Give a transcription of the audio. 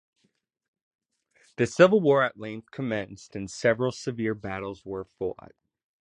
The Civil War at length commenced and several severe battles were fought.